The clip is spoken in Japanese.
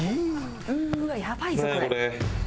うわっやばいぞこれ。